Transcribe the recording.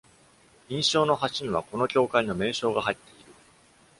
印章の端にはこの協会の名称が入っている。